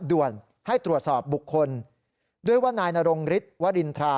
ด่วนให้ตรวจสอบบุคคลด้วยว่านายนรงฤทธิวรินทรา